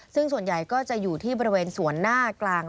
ซึ่งส่วนใหญ่ก็จะอยู่ที่บริเวณส่วนหน้ากลาง